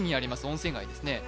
温泉街ですね